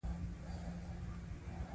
گومان مکړه چی خالی شوه، د ساقی مینا له میو